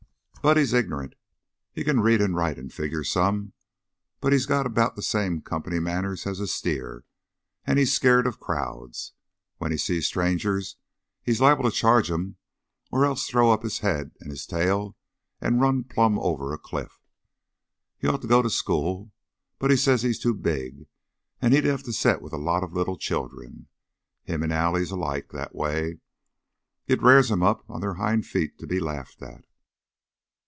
"Buddy's ignerunt. He can read an' write an' figger some, but he's got about the same company manners as a steer, an' he's skeered of crowds. When he sees strangers he's liable to charge 'em or else throw up his head an' his tail an' run plumb over a cliff. He'd ought to go to school, but he says he's too big, an' he'd have to set with a lot of little children. Him an' Allie's alike, that way it r'ars 'em up on their hind feet to be laughed at."